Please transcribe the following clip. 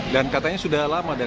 dan katanya sudah lama